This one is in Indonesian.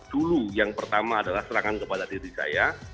dulu yang pertama adalah serangan kepada diri saya